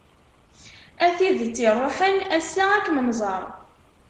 A tidet iṛuḥen, ass-a ad kem-nẓeṛ.